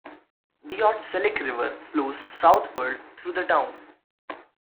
The Otselic River flows southward through the town.